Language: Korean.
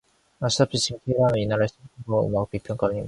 아시다시피 지금 K라 하면 이 나라에서 첫 손가락을 꼽는 음악 비평가가 아닙니까.